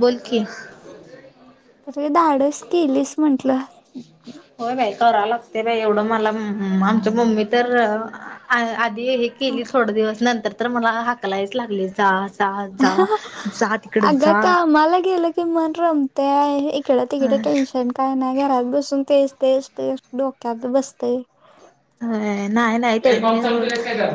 बोल की. अरे धाडस केलीस म्हंटलं. होय बाई करा लागते बाई एवढं. मला म मआमच्या मम्मी तर आधी केली थोड दिवस. नंतर तर मला हाकलायच लागले जाच. ह. अग कामला गेलं कि मन रमतेय. इकड तिकड टेन्शन काय नाही. घरात बसून तेच तेच तेच डोक्यात बसतेय. अ नाय नाय त्यांनी म मला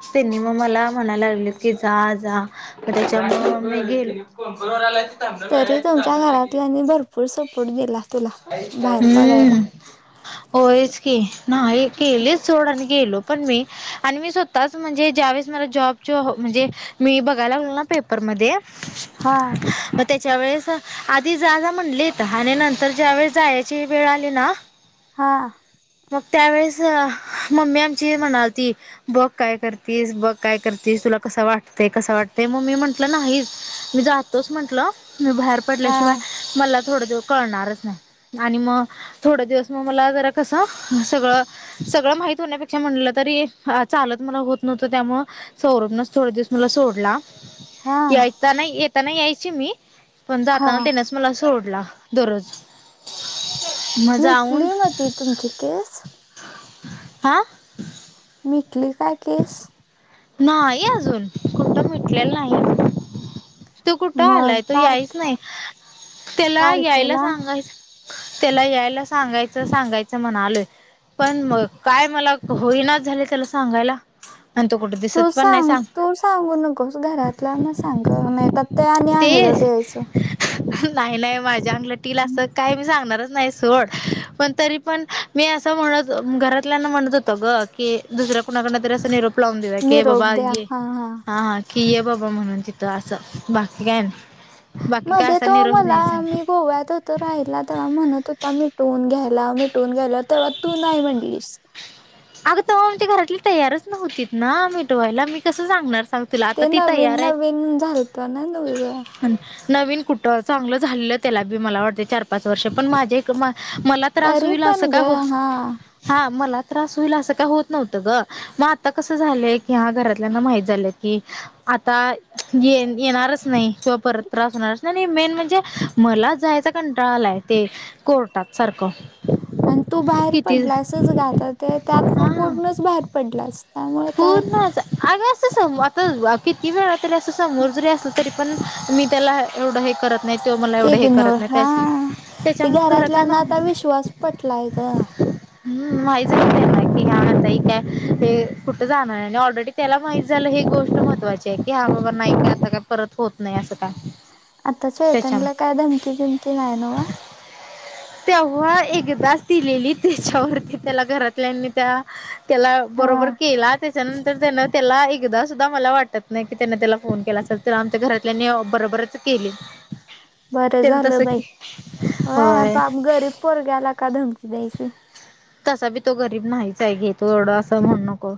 [inaudible] त्यांनी मग मला, म्हणायला लागलेत. की जा जा. म त्याच्यामूळ मी गेलो. कोणकण आलाय त थांत तरी तू तुमच्या जागला क घरातल्यानी भरपूर सपोर्ट दिला तुला [inaudible] [inaudible] बाहेर पडायला हम्म. होयेच की. नाही केले सोडा आणि गेलो पण मी. अन् मी स्वतःच म्हणजे, ज्यावेेळेस मला जॉबची हा म्हणजे मी बघायला लागलो ना, पेपरमध्ये. हा. मग त्याच्या वेळेस, आधी जा - जा म्हणलेेत. आणि नंतर ज्या वेळेस, जायची वेळ आली ना हा. मग त्यावेेळेस, मम्मी आमची म्हणालती बघ, काय करतीस? बघ, काय करतीस? तुला कसा वाटतय, कसा वाटतय. मग मी म्हंटलं, नाही. मी जातोच म्हंटलं. मी बाहेर हा पडल्याशिवाय मला थोड दिवस कळणारच नाही. आणि मग, थोड दिवस मग मला जरा कसं सगळं, सगळं माहित होण्यापेक्षा म्हणलं. तरी, चालत मला होत नव्हतं. त्यामुळ सौरभनच, थोड दिवस मला सोडला. हा यायता नाही, येताना यायची मी. पण हा जाताना त्यांनच मला सोडला. दररोज. मग मिटली म ती तुमची केस? आ. मिटली काय, केस? नाही अजून. कुठं, मीटलेलं नाही. तो कुठं मग आलाय? तो तार यायच नाही? त्याला यायला तारखेला सांगायस त्याला यायला सांगायचं, सांगायचं. म्हणालोय. पण म काय मला होईना झाले, त्याला सांगायला. इथ कुठ दिस तू सांग, तू सांगू नकोस. घरातल्या ना सांग गं. नाहीतर त्यांनी ते आंगलठ यायचं. नाही, नाही. माझ्या अंगलट येईल असं, काय मी सांगणारच नाही, सोड. पण तरी पण मी असं म्हणत, घरातल्यांना म्हणत होतं ग. की, दुसऱ्या कुणाकडन तरी असं निरोप लावून दिल की, ये निरोप बाबा, द्या ये. हा ह, हा. की ए बाबा म्हणून तिथं. अस, बाकी काही नाही. बाकी काय मध्ये असा तो निरोप मला, द्यायचा मी नाही. गोव्यात होत तो राहिला. तेव्हा म्हणत होता, मिटवून घ्याय लाव, मिटवून घ्याय लाव, तेव्हा तू नाही म्हणलीस. अगं, तवा आमची घरातली, तयारच नव्हतीत ना, मिटवायला. मी कसं सांगणार, सांग. तुला आता ते ती नविन- तयार नविन झालतं ना, तुझं. अन् नवीन कुठं? चांगलं झालेलं त्याला बी, मला वाटते चार - पाच वर्ष. पण माझे एक मा मला त्रास तरी होईल पण असं ग काय हो, हा हा. मला त्रास होईल असं, काय होत नव्हतं, ग. मग आता कसं, झालंय. की हा घरातल्याना माहित झालंय. की आता, येन - येणारच नाही. किंवा परत त्रास होणारच नाही. आणि मेन म्हणजे, मला जायचा कंटाळा आलाय ते. कोर्टात, सारखं. अन्, तू बाहेर किती पडलासच ग आता. ते त्यातन, हा पूर्णच बाहेर पडल्यास. त्यामुळ काय? अग, असं. स आता किती वेळा तर असं, समोर जरी असलं. तरी पण, मी त्याला एवढं हे करत नाही. तो मला एवढं, हे इग्नोर करत नाही. त्या हा - ते त्याच्यामुळ घरातल्यांना आता विश्वास पटलाय ग हम्म. माहीच [inaudible] की, ह्या मनताय काय? हे कुठं जाणारय? आणि ऑलरेडी त्याला माहित झालं. हे गोष्ट महत्वाचीय. की, हा बाबा, नाही. अस का परत होत नाही. असं काय? आता त्याच्यामुळे चेतनला काय? धमकी - बिमकी नाही नवं? तेंव्हा एकदाचं दिलेली त्यांच्यावरची त्यांला घरातल्यांनी त्यां त्यांला हा बरोबर केलां त्यांच्यानंतर त्यानं त्यांला एकदाचं सुद्धां मलां वाटतं नाहीं की त्यानं त्यांला फोन केलां असलं त्यांला आमच्या घरांतल्यांनी बरोबरचं केलीत. बरं झालं बाई होय गरीब पोरग्यांला कां धमकी द्यांयची. तसां बी तो गरीब नाहींच आहे घे तुं एवढं असं म्हणुंन नको.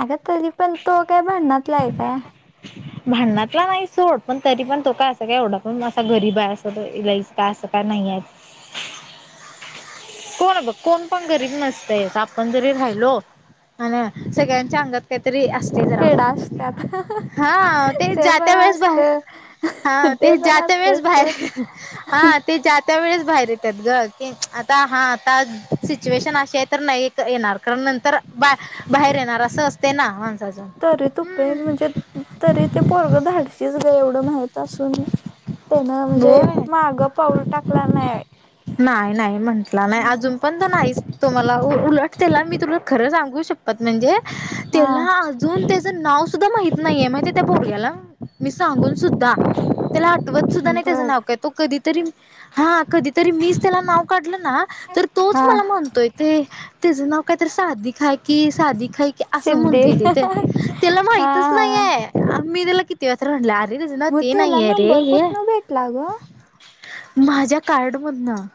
अगं तरी पणं तो कायं भांडणांतला हांय कायं. हं भांडणांतला नाहीं सोंड पणं तरी पणं तो कायं असं कायं एवढां पणं असां गरीब आहे असं नाई. कां असं कां नाहींय. [unintelligible] कोणं बघं कोणं पणं गरीब नसतंयचं आपणं जरी राहिलो हां नां सगळ्यांच्या अंगात कांहीतरी असतील. किडां असत्यांत ते जात्या बरं वेळेस बाहेर असतंय. हा ते ज्यां त्यां वेळेस बाहेर हां. ते ज्यांच्या वेळेस बाहेर येतांत गं की आंता हां आंता सिच्युएशन अशी आहे तरं नाहीं येणारं कारणं नंतर बां बाहेर येणारं असं असतंय नां माणसांच. तरी तुपे म्हणजे तरी ते पोरगं धाडसीच गं एवढं माहित असूंन त्यानं म्हणजे होय मागं पाऊल टाकलां नाहीं. नाहीं नाहीं म्हंटला नाहीं अजूंन पणं तो नाहींच तुम्हांला उलटंतला मी तुलां खरं सांगू शप्पंथ म्हणजे हा त्यांला अजूंन त्यांचं नांव सुद्धां माहित नाहीये माहितय त्यां बबल्यांला मी सांगून सुद्धां. त्यांला आंतवत सुद्धां नाहीं त्यांचं बर नांव कायं तो कधींतरी हां कधीं तरी मीचं त्यांला नांव काढलं नां तरं हा तोचं मलां म्हणतोय ते तेचं नांव कायंतरी साधीक हांय की साधिक हांय की असं सिद्धी म्हणतोय ते त्यांला हा माहितचं हा नाहीये आं मी त्यांला किती तेवां तरं म्हटलं आरे तुझं नांव मग ते त्याला नाहीं आहे रे नंबर हे आहे. कुठनं भेटला ग माझ्यां कार्ड मधनं..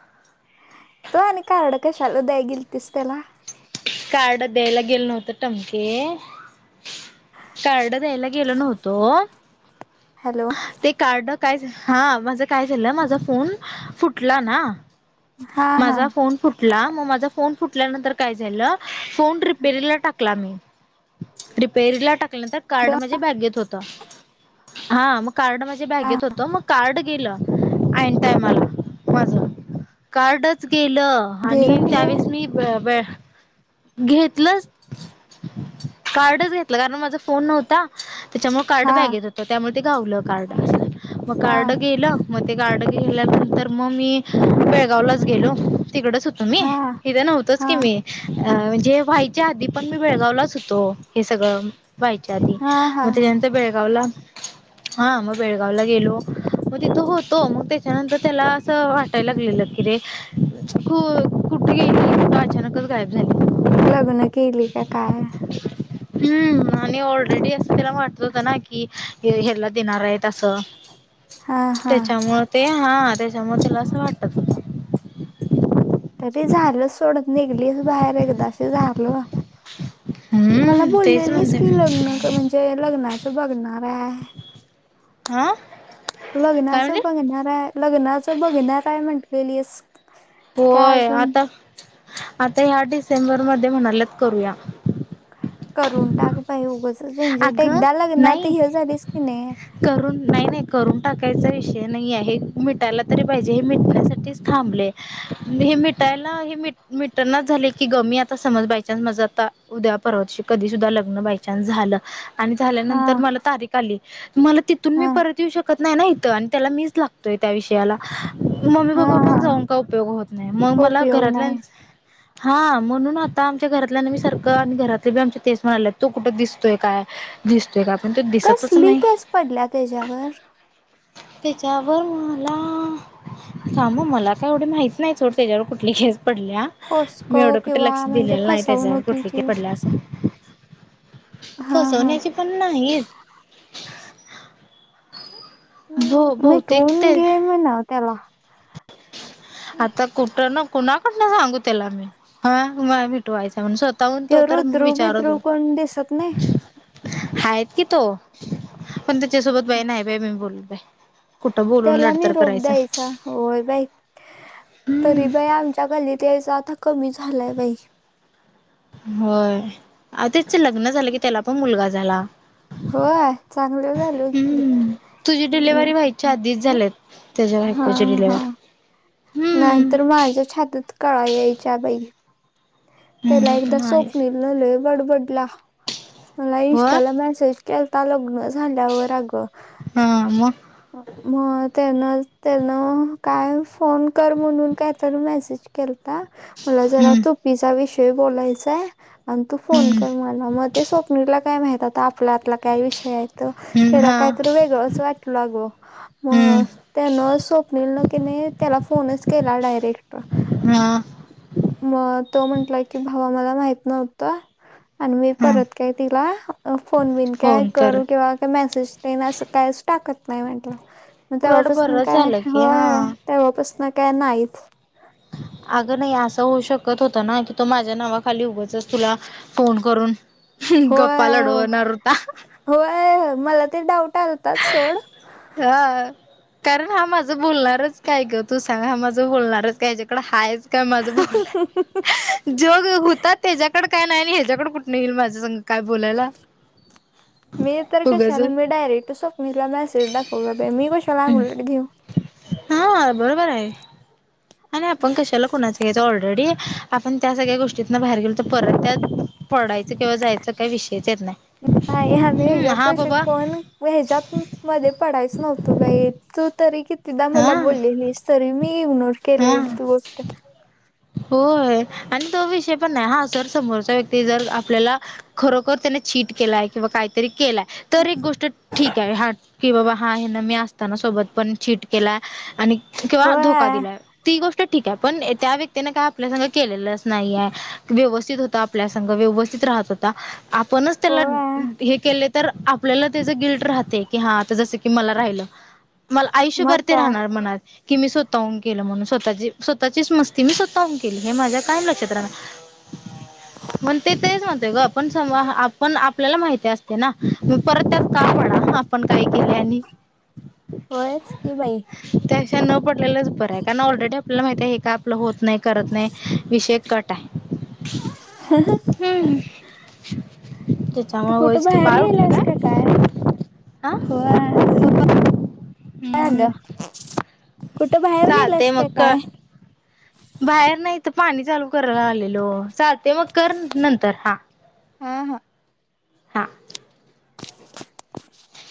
तो आणि कांरड कशांला द्यां गेलंतीस त्यांला. कार्ड द्यायला गेलं नव्हतं टमके कार्ड द्यायला गेलं गेलो नव्हतो हॅलो ते कार्ड कायं झालं हां माझं कायं झालं माझां फोन फुंटला नां हा हा माझां फोन फुंट लां मंग माझां फोन फुटल्यांनंतर कायं झालं फोन रिपेयरला टांकला मी रिपेयरला टाकल्यानंतर कार्ड माझे बॅगेत होतं ते हां मंग कार्ड माझ्यां बॅगेत होतं मंग कार्ड गेलं आईन टांयमालां माझं कार्डचं गेलं आणि गेलं म्हणजे त्यांवेळेस मी बे बे घेतलंच कार्डचं घेतलं कारणं माझां फोन नव्हतां त्यांच्यामुळे कार्ड हा बॅगेत होतं त्यांमुळे ते घावलं कार्ड असं झालं मंग हा कार्ड गेलं. मंग ते कार्ड गेल्यानंतर मंग मी बेळगांवलांच गेलो तिकडचं तो मी हा हिथे नव्हतोच हा की मी. अं म्हणजे व्हांयच्या आंधी पणं मी बेळगांवलांच हुतो हे सगळं व्हांयच्या आंधी हा हा मंग त्यांच्या नंतर बेळगांवला [unintelligible] हां मंग बेळगांवला गेलो मंग तिथं होतो मंग त्यांच्यानंतर त्यांला असं वाटतं टाय लागलेलं किरे कु कुठे गेले अचानकच गायब झाली. लग्न केली का काय? हम्म आणि ऑलरेडी असं तेला वाटत होत ना की हेल्या देणार आहेत असं हा हा त्याच्यामुळ ते हां त्याच्यामुळ त्याला असं वाटत. तरी झालं सोड निघलीस बाहेर एकदाशी झालं. मला हम्म तेच बोलेलीस म्हणते की लग्न क म्हणजे लग्नाच बघणाराय आं. लग्नाचं बघणार आहे, लग्नाचं बघणाराय म्हंटलेलीस. होय, आता, आता ह्या डिसेंबरमध्ये म्हणाल्यात करूया. करून टाक बाई उगचच झंझट अगं एकदा लग्नात नाही हे झालीस की नाही करून नाही, नाही करून टाकायचा विषय नाही आहे हे मिटायला तरी पाहिजे हे मिटण्यासाठीच थांबले. हे मिटायला हे मिट मिटनाच झालंय की ग मी आता समज बायचान्स माझं आता उद्या परवा दिवशी कधी सुद्धा लग्न बायचान्स झालं आणि हा झाल्यानंतर मला तारीख आली मला तिथून मी हा परत येऊ शकत नाही ना हित आणि त्याला मीच लाग तोय त्या विषयाला मम्मी, हा पप्पा पण हा जाऊन काय उपयोग होत नाही मग मला उपयोग घरातल्यांच [unintelligible] हा म्हणून आता आमच्या घरातल्याना मी सारखं आणि घरातले बी आमचे तेच म्हणाल्यात तु कुठं दिस तोय काय दिसतोय काय पण तो दिसतच कसली नाही. केस पडल्या त्याच्यावर तेच्यावर मला थांब आ मला काय एवढे माहित नाही सोड त्याच्यावर कुठली केस पडल्या मी फॉस्को एवढं कुठं किंवा लक्ष म्हणजे दिलेलं नाही त्याच्यावर कुठली केस फसवणुकीची पडल्या असंल हा हा फसवण्याची पण नाही येत उम मिटवून घे म्हना त्याला आता कुठं ना कुणाकडन सांगू त्याला मी हाय मला मिटवायचय म्हणून स्वत काहून ते तो तर उम रुद्रू विचारत बिद्रू हो कोण दिसत नाही हायेत कि तो पण त्याच्यासोबत बाई नाही बाई मी बोलत बाई कुठं बोलून त्याला लढतर निरोप करायचंय. द्यायचा होय बाई तरी बाई आमच्या गल्लीत यायचा आता कमी झालायं बाई. होय आता तेच लग्न झालं की त्याला पण मुलगा झाला. होय, चांगलं झालोयत की. हम्म तुझी डिलिव्हरी व्हायच्या आधीच झाल्यात त्याच्या हा बायकोची हा डिलेव्हरी. नाहीतर माझ्या छातीत कळा यायच्या बाई त्याला हम्म एकदा नाही स्वप्न नलय बडबडला मला होय इंस्टाला मेसेज केलता लग्न झाल्यावर अग. हा म? मग त्यांन, त्यांन काय फोन कर म्हणून कायतरी मेसेज केलता. मला जरा हम्म तू पिझ्झा विषयी बोलायचाय आण तू फोन हम्म कर मला मग ते स्वप्नीला काय माहित आता आपल्या आतला काय विषय आहे. तर हम्म त्याला हा काहीतरी वेगळंच वाटल ग मग हम्म त्यानं स्वप्नल न की नाही त्याला फोनच केला डायरेक्ट. हा. मग तो म्हंटला की भावा मला माहित नव्हत. आणि मी हा परत काय तिला फोन वोन काय फोन कर. करू किंवा काय मेसेज तेन असं कायच टाकत नाही म्हटलं मग उलट तेव्हापसन बरं काय झालं की होय हा. तेव्हापासन काय नाहीच अगं नाही असं होऊ शकत होतना की तो माझ्या नावाखाली उगंचच तुला फोन करून गप्पा होय लढवणार होता - होय -होय मला ते डाऊट आलताच सोड. हा कारण हा माझं बोलणारच काय ग तू सांग हा माझं बोलणारच कायच्याकडं हायच काय माझं बोल. जोग होतात त्याच्या्याकड काय नाही आणि हच्या्याकड कुठून येईल माझं संग काय बोलायला मी तर उगच कशाला मी डायरेक्ट सोप मी हिला मॅसेज दाखवला बई मी कशाला अंगलट घेऊ? हा बरोबर आहे. आणि आपण कशाला कोणाच घेतो ऑलरेडी आपण त्या सगळ्या गोष्टीतन बाहेर गेलो तर परत त्यात पडायचं किंवा जायचं काय विषयच येत नाही. हाय आमी हम्म हा हेज्यापशी बाबा कोन? व हे ज्यात मध्ये पडायच नव्हतो बई तू तरी किती कितीदा मला हा बोललेलीस तरी मी इग्नोर केलेली हा ती गोष्ट. होय आणि तो विषय पण नाही हा सर समोरचा व्यक्ती जर आपल्याला खरोखर त्यान चीट केलाय किंवा काहीतरी केलाय तर एक गोष्ट ठीक आहे हा की बाबा हा हे ना मी असताना सोबत पण चीट केला आणि किंवा धोका होय दिलाय ती गोष्ट ठीक आहे पण त्या व्यक्तीने काय आपल्या संग केलेलं अस नाही आहे व्यवस्थित होत आपल्या संग व्यवस्थित राहत हो आपणच त्याला होय हे केलय तर आपल्याला त्याचं गिल्ट राहतय की हा आता जसं की मला राहिलं मला मग आयुष्यभर ते काय राहणार मनात की मी स्वतःहून केलं म्हणून स्वतःची स्वतःचीच मस् ती मी स्वतः हून केली हे माझ्या कायम लक्षात राहणार. मण ते तेच म्हणत ग पण समजा आपण आपल्याला माहिती असते ना? म परत त्यात का पडा. आपण काय केले आणि होयच की बाई त्याशा न पडलेलाच बरं आहे कारण ऑलरेडी आपल्याला माहिती आहे हे का आपल होत नाही. करत नाही. विषय कट आहे. हम् तू त्याच्यामुळ कुठं वईच की बाहेर बाळ उठलं गेलास का काय? हा होय काय हम्म झाल? कुठं बाहेर चालते गेल्यास का मग क काय? बाहेर नाही हिथ पाणी चालू करायला आलेलो. चालते मग कर नंतर हा हा हा. हा. [inaudible]